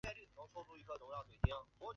颗粒关公蟹为关公蟹科关公蟹属的动物。